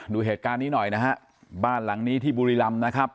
ดูเหตุการณ์นี้หน่อยนะฮะบ้านหลังนี้ที่บุรีรำนะครับ